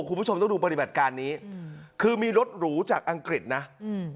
คุณผู้ชมต้องดูปฏิบัติการนี้อืมคือมีรถหรูจากอังกฤษนะอืม